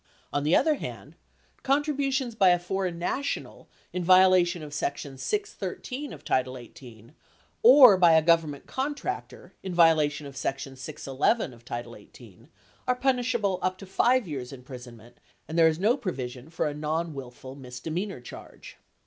On the other hand, contributions by a foreign national in violation of section 613 of title 18 or by a Government contractor in violation of section 611 of title 18 are punishable up to 5 years imprisonment and there is no provision for a nonwillful misdemeanor charge.